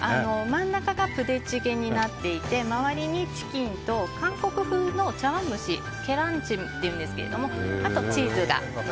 真ん中がプデチゲになっていて周りにチキンと韓国風茶わん蒸しケランチムというんですけど。